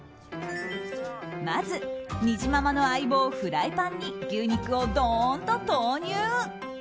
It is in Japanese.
まず、にじままの相棒フライパンに牛肉をどーんと投入。